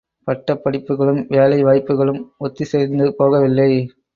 பட்டப் படிப்புக்களும், வேலை வாய்ப்புக்களும் ஒத்திசைந்து போக வில்லை.